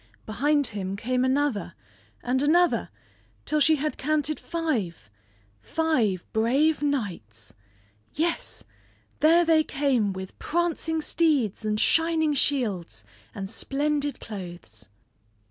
Behind him came another, and another till she had counted five five brave knights! Yes, there they came with prancing steeds and shining shields, and splendid clothes!